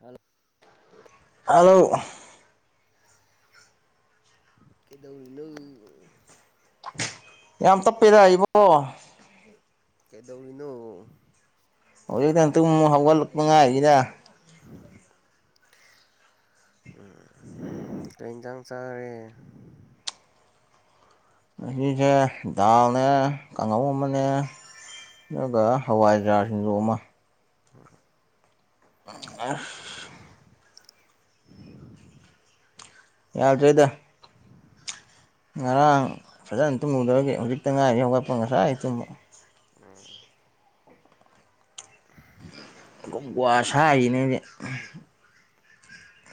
ꯍꯂ ꯍꯂꯣ ꯀꯗꯧꯔꯤꯅ ꯌꯥꯝ ꯇꯞꯄꯦꯗ ꯏꯕꯣ ꯀꯩꯗꯧꯔꯤꯅꯣ ꯃꯉꯥꯏꯒꯤꯗ ꯎꯝ ꯀꯩꯖꯥꯡ ꯆꯔꯦ ꯑꯁꯤꯁꯦ ꯗꯥꯜꯅꯦ ꯀꯥꯡꯉꯧ ꯑꯃꯅꯦ ꯑꯗꯨꯒ ꯍꯋꯥꯏꯖꯔꯥ ꯁꯤꯡꯖ ꯑꯃ ꯎꯝ ꯑ ꯌꯥꯗ꯭ꯔꯔꯤꯗ ꯉꯔꯥꯡ ꯐꯖꯅ ꯇꯨꯝꯃꯨꯗꯧꯒꯦ ꯍꯧꯖꯤꯛꯇ ꯉꯥꯏꯔꯤ ꯍꯧꯒꯠꯄ ꯉꯁꯥꯏ ꯑꯩ ꯇꯨꯝꯃꯨ ꯎꯝ ꯒꯋꯥꯁꯥ ꯏꯅꯦꯗꯤ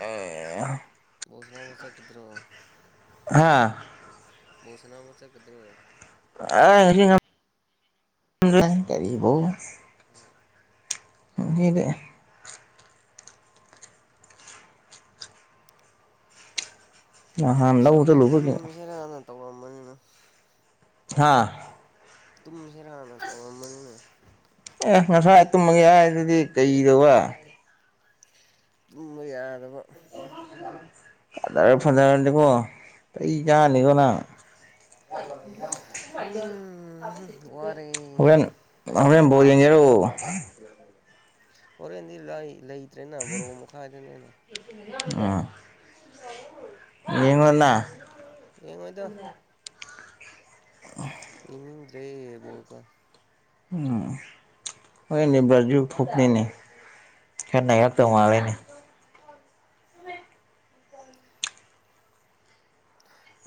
ꯑ ꯁꯅꯥ ꯄꯨꯁꯦ ꯏꯗꯔꯣ ꯍꯥꯥ ꯃꯣꯁꯅꯥ ꯃꯁ ꯀꯗꯔꯣ ꯑ ꯀꯔꯤꯕꯣ ꯌꯦꯗ ꯑ ꯍꯥꯟ ꯑꯁ ꯂꯕꯨꯗ ꯑꯩꯁꯨ ꯂꯨꯕꯒ ꯇꯨꯝꯁꯤꯔꯥꯅ ꯇꯧꯔꯝꯕꯅꯤꯅ ꯍꯥꯥ ꯇꯨꯝꯁꯤꯔꯅ ꯀꯣꯃꯅꯤꯅ ꯑꯦ ꯉꯁꯥꯏ ꯇꯨꯝꯃꯒꯦ ꯍꯥꯏ ꯑꯗꯨꯗꯤ ꯀꯩꯗꯧꯕ ꯎ ꯌꯥ ꯑꯗꯨꯕ ꯐꯖꯔ ꯐꯖꯔꯅꯤꯀꯣ ꯀꯩ ꯌꯥꯅꯤꯀꯣ ꯅꯪ ꯎꯝ ꯋꯥꯔꯦ ꯍꯣꯔꯦꯟ ꯍꯣꯔꯦꯟ ꯣꯔꯣ [unintelligible] ꯑꯣꯏꯔ ꯍꯗꯤ ꯂ ꯂꯩ ꯕꯥꯥꯔ ꯃꯥꯏꯗ ꯅ ꯑ ꯌꯦꯉꯅ ꯌꯦ ꯑꯣꯏꯣꯏꯗ ꯑ ꯏꯃꯗ꯭ꯔꯦꯕꯣ ꯀ ꯎꯝ ꯑꯣꯏꯣꯏꯅꯤ ꯖꯨ ꯐꯨꯄꯅꯤꯅꯤ ꯎꯝ ꯍꯦꯟꯅꯍꯥꯛꯛꯇꯧ ꯃꯥꯔꯦꯅꯦ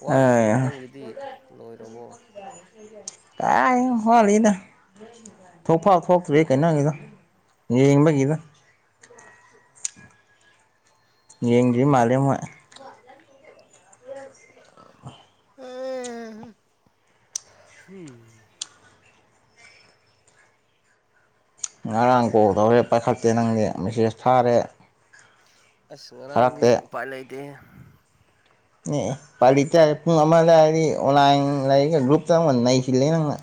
ꯋꯥꯠꯂꯤꯕ꯭ꯔꯣ ꯑꯥꯏ ꯅꯪꯒꯤꯗꯤ ꯂꯣꯏꯔꯕꯣ ꯇ ꯍꯜꯂꯤꯗ ꯊꯣꯛꯣꯛꯐꯥꯎ ꯊꯣꯛꯇ꯭ꯔꯦ ꯀꯩꯅꯪꯒꯤꯗꯣ ꯌꯦꯡꯕꯒꯤꯗ ꯌꯦꯡꯡꯒꯤ ꯃꯥꯂ ꯑꯃ ꯑ ꯍꯝ ꯉꯔꯥꯡ ꯀꯣꯜ ꯇꯧꯔꯦ ꯄꯥꯏꯈꯠꯇꯦ ꯅꯪꯗꯤ ꯃꯦꯁꯦꯖ ꯊꯥꯔꯦ ꯑꯁ ꯉꯔꯥꯡꯗꯤ ꯊꯥꯔꯛꯇꯦ ꯎꯄꯥꯏ ꯂꯩꯇꯦ ꯑꯦ ꯄꯥꯜꯂꯤ ꯇ ꯄꯨꯡ ꯑꯃ ꯂꯩꯔꯗꯤ ꯑꯣꯟꯂꯥꯏꯟ ꯂꯩꯔꯤꯒ ꯒ꯭ꯔꯨꯞꯇ ꯅꯩꯁꯤꯜꯂꯦ ꯅꯪꯅ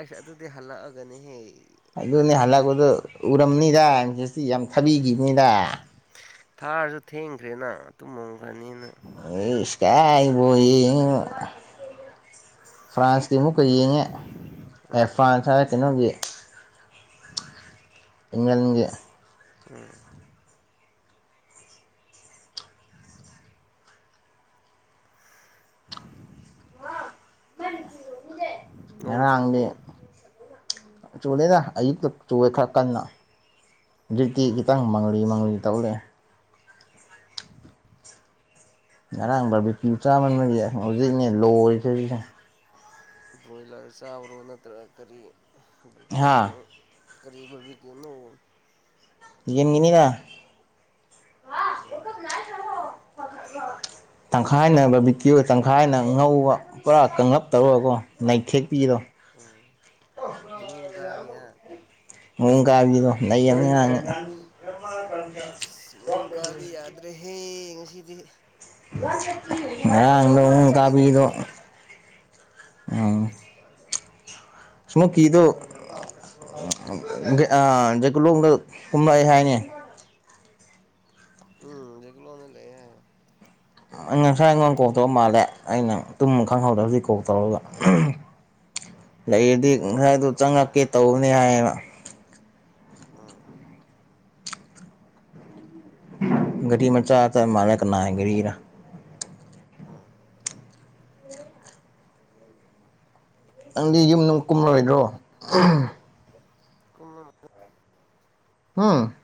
ꯑꯁꯥ ꯑꯗꯨꯗꯤ ꯍꯜꯂꯛꯑꯒꯅꯤꯍꯌꯦ ꯑꯗꯨ ꯑꯗꯨ ꯅ ꯍꯂꯒꯗ ꯎꯔꯝ ꯅ ꯌꯥꯁꯤ ꯌꯥꯝ ꯊꯥꯕꯤꯈꯤꯕꯅꯤꯗ ꯊꯥꯔꯁꯨ ꯊꯦꯡꯈ꯭ꯔꯦꯅ ꯑꯗꯨꯨꯝ ꯔꯅꯤꯅ ꯌꯥꯏꯕꯨꯏ ꯐ꯭ꯔꯥꯟꯁꯀꯤꯃꯨ ꯑꯩꯣꯏ ꯌꯦꯡꯉꯦ ꯎꯝ ꯑꯦꯐꯚꯥꯟꯁ ꯍꯥꯏ ꯀꯩꯅꯣꯒꯤ ꯏꯃꯒꯤꯦ ꯎꯝ [unintelligible] ꯃ ꯅꯣꯡ ꯆꯨꯞꯕ꯭ꯔꯣ ꯆꯨꯗꯦꯅ ꯑꯌꯨꯛꯇ ꯆꯨꯔꯦ ꯈꯔ ꯀꯟꯅ ꯔꯤꯇ ꯒꯤꯈꯤꯇꯥꯡ ꯃꯥꯡꯒꯂꯤ ꯃꯥꯡꯒꯂꯤ ꯇꯧꯔꯛꯑꯦ ꯉꯔꯥꯡ ꯕꯕꯤꯄꯤꯤ ꯆꯥꯝꯃꯟ ꯃꯔꯤ ꯍꯧꯖꯤꯛꯅꯦ ꯂꯣꯏꯔꯤꯁꯤꯔꯤꯁꯦ ꯕ꯭ꯔꯣꯣꯏꯂꯔ ꯆꯕꯔꯣ ꯅꯠꯇ꯭ꯔ ꯀꯔꯤ ꯕꯤ ꯀꯅ ꯍꯥ ꯀꯔꯤꯕ ꯀꯅ ꯌꯦꯟ ꯉꯅꯤꯅ ꯎꯝ ꯇꯪꯈꯥꯏꯅ ꯕꯕꯤꯀꯤꯤꯌ ꯇꯪꯈꯥꯏꯅ ꯉꯧꯕ ꯄꯨꯔꯥ ꯀꯉꯞ ꯇꯧꯔꯒꯣ ꯅꯩꯊꯦꯛ ꯎꯝ ꯨꯡꯒ ꯑ ꯃꯑꯣꯣꯡ ꯀꯥꯕꯤꯗꯣ ꯂꯩ ꯑꯃ ꯉꯥꯡꯉ ꯃꯨꯒꯕꯤ ꯌꯥꯗ ꯔꯦ ꯁꯤꯗꯤ [unintelligible] ꯉꯔꯡꯗꯣ ꯅꯡ ꯆꯤꯛꯑꯦꯗ ꯀꯕꯤꯗꯣ ꯑ ꯁꯃꯣꯀꯤꯗꯨ ꯖꯀꯨꯂꯣꯡꯗ ꯀꯨꯝꯂꯛꯑꯦ ꯍꯥꯏꯅꯦ ꯎꯝ ꯒꯥꯌ ꯀꯂꯣꯡꯗꯥ ꯂꯩ ꯍꯥꯌꯦ ꯉꯁꯥꯏ ꯑꯩꯉꯣꯟ ꯀꯣꯂꯇꯧꯕ ꯃꯥꯜꯂꯦ ꯑꯩꯅ ꯇꯨꯝ ꯈꯡꯍꯧꯗ ꯀꯣ ꯇꯧꯔꯒꯥ ꯎꯝ ꯂꯩꯔꯗꯤ ꯑꯩꯉꯣꯟꯗꯁꯨ ꯉꯁꯥꯏꯗꯨ ꯇꯧꯔꯛꯑꯦ ꯆꯡꯉꯛꯀꯦ ꯇꯧꯕꯅꯦ ꯍꯥꯏꯌꯦꯅ ꯎꯝ ꯒꯥꯔꯤ ꯃꯆꯥꯗꯥ ꯝꯥꯂꯦ ꯀꯅꯥ ꯒꯥꯔꯤꯔ ꯎꯝ ꯅꯡꯗꯤ ꯌꯨꯝ ꯅꯨꯡ ꯀꯨꯝꯂꯣꯏꯗ꯭ꯔꯣ ꯀꯨꯃꯥ ꯀꯦ ꯌꯨꯝ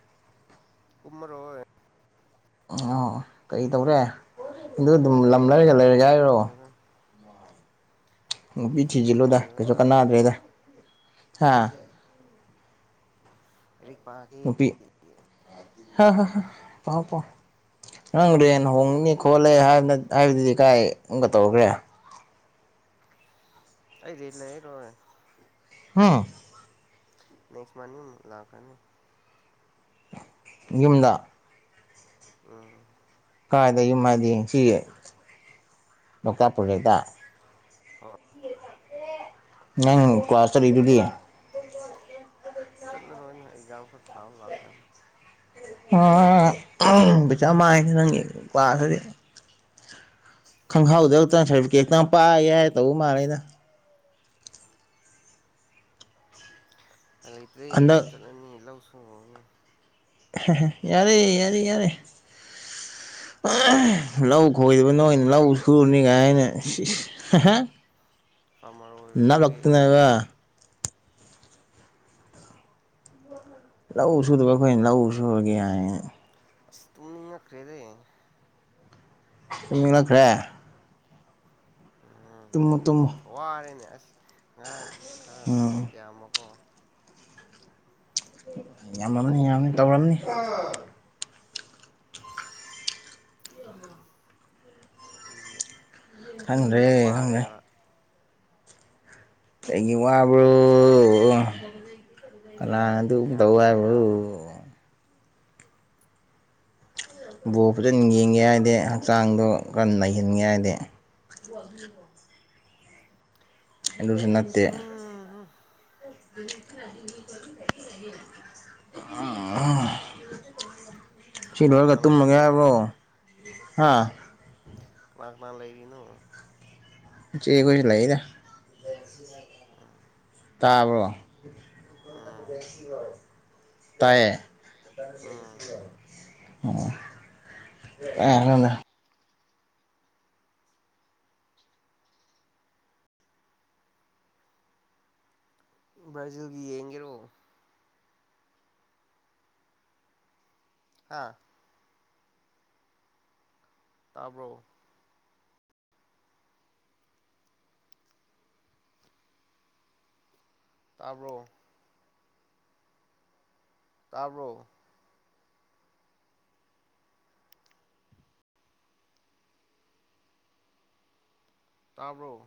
ꯀꯨꯃꯔꯣꯏ ꯑꯣ ꯀꯦꯇꯧꯔꯦ ꯑꯗꯨꯗꯨꯝ ꯂꯞ ꯂꯝꯂꯔꯒ ꯂꯩꯔꯒ ꯑꯩ ꯍꯥꯏꯔꯣ ꯇꯧꯗꯦꯗ ꯅꯨꯄꯤ ꯑꯗꯨꯝ ꯊꯤꯖꯤꯜꯂꯨꯗ ꯂꯩꯕ ꯀꯩꯁꯨ ꯇꯥꯔꯦ ꯀꯥꯟꯅꯗ꯭ꯔꯦꯗ ꯊꯥ ꯔꯤꯛꯄꯥꯥꯒꯤ ꯍ ꯍ ꯍ ꯄꯥꯎ ꯄꯥꯎ ꯅꯝ ꯔꯦꯟ ꯍꯣꯡꯅꯤ ꯈꯣꯠꯂꯦ ꯍꯥꯏꯅꯥꯇ ꯍꯥꯏꯕꯗꯨꯗꯤ ꯀꯥꯏꯒ ꯇꯧꯈ꯭ꯔꯦ ꯑꯩ ꯔꯦꯟ ꯂꯩꯔꯔꯣꯏ ꯍꯥ ꯔꯣ [unintelligible] ꯂꯥꯀꯅꯤ ꯌꯨꯝꯗ ꯎꯝ ꯀꯥꯏꯗ ꯌꯨꯝ ꯍꯥꯏꯗꯤ ꯁꯤ ꯂꯣꯛꯇꯥꯛ ꯄꯔꯣꯖꯦꯛꯇ ꯍꯣꯏ ꯅꯡ ꯀ꯭ꯂꯥꯁ ꯆꯥꯇꯔꯤꯗꯨꯗꯤ ꯆꯠ ꯂꯣꯏ ꯑꯦꯛꯖꯝ ꯈꯛ ꯊꯥꯕꯥ ꯂꯥꯀꯥꯅꯤ ꯄꯩꯁꯥ ꯃꯥꯡꯏꯗ ꯅꯡꯒꯤ ꯀꯂꯥꯁꯇꯗꯤ ꯈꯡꯍꯧꯗ꯭ꯔꯛꯇ ꯁꯥꯔꯇꯤꯐꯤꯀꯦꯛꯇ ꯄꯥꯛꯒꯦ ꯍꯥꯏ ꯇꯧꯕ ꯃꯥꯂꯤꯗ ꯄꯥꯂꯩꯇꯔꯦ ꯌꯨꯝ ꯍꯟꯗꯛ ꯆꯠꯂꯅꯤ ꯂꯧꯁꯨ ꯌꯥꯔꯦ ꯌꯥꯔꯦ ꯌꯥꯔꯦ ꯂꯩ ꯑꯣꯏꯗꯕ ꯅꯣꯏꯅ ꯂꯧ ꯐꯥꯔꯃꯔ ꯁꯨꯔꯨꯅꯤ ꯀꯥꯏꯅ ꯍꯥꯏ ꯑꯃ ꯅꯥꯂꯣꯛꯇꯅꯕ ꯂꯧ ꯁꯨꯗꯕ ꯑꯩꯈꯣꯏꯅ ꯂꯧ ꯁꯨꯨꯔꯒꯦ ꯍꯥꯏ ꯑꯁ ꯇꯨꯅ ꯏ ꯀꯩꯗ ꯃꯤꯅꯈ꯭ꯔꯦ ꯎꯝ ꯇꯨꯝꯃꯣ ꯇꯨꯝꯃꯣ ꯋꯥꯔꯦꯅꯦ ꯑꯁ ꯉꯔꯥꯡ ꯈꯔ ꯌꯥꯝꯕꯀꯣ ꯌꯥꯝꯃꯝꯅꯤ ꯌꯥꯝꯅꯤ ꯇꯧꯔꯝꯅꯤ ꯑꯗꯨꯒꯤ ꯈꯪꯗꯔꯦ ꯈꯔ ꯈꯪꯗꯔꯦ ꯋꯥꯔꯦꯕ ꯀꯩꯒꯤ ꯋꯥꯕ꯭ꯔꯣ ꯈꯔ ꯌꯥꯝꯃꯦꯕ ꯉꯔꯥꯡꯗꯣ [unintelligible] ꯕꯣꯜ ꯐꯖꯅ ꯌꯦꯡꯒꯦ ꯍꯥꯏꯗꯤ ꯍꯛꯆꯥꯡꯗꯣ ꯀꯟꯅ ꯅꯩꯍꯟꯒꯦ ꯍꯥꯏꯗꯤ ꯑꯗꯨꯁꯨ ꯅꯠꯇꯦ ꯍꯝ ꯑꯥ ꯁꯤ ꯀꯅꯥ ꯂꯣꯏꯔꯒ ꯀꯅꯥ ꯇꯨꯝꯃꯒꯦ ꯂꯩꯔꯤꯅꯣ ꯍꯥꯏꯕ꯭ꯔꯣ ꯍꯥ ꯀꯅꯥ ꯀꯅꯥ ꯂꯩꯔꯤꯅꯣ ꯏꯆꯦ ꯈꯣꯏꯒ ꯂꯩꯌꯦꯗ ꯎꯝ ꯇꯥꯕ꯭ꯔꯣ ꯎꯝ [inaudible] ꯇꯥꯏꯌꯦ [unintelligible] ꯎꯝ ꯑꯣ ꯑꯣ ꯀꯥꯏꯗꯩꯩꯅꯣꯗ ꯕ꯭ꯔꯥꯖꯤꯜꯒꯤ ꯌꯦꯡꯒꯔꯣ ꯑꯥ ꯇꯥꯕ꯭ꯔꯣ ꯇꯥꯕ꯭ꯔꯣ ꯇꯥꯕꯔꯣ ꯇꯥꯕꯔꯣ